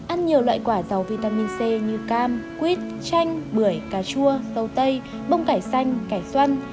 ăn nhiều loại quả giàu vitamin c như cam quýt chanh bưởi cà chua sâu tây bông cải xanh cải xoăn